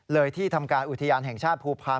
ที่ทำการอุทยานแห่งชาติภูพาล